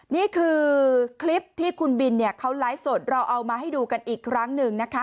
นี่คือคลิปที่คุณบินเนี่ยเขาไลฟ์สดเราเอามาให้ดูกันอีกครั้งหนึ่งนะคะ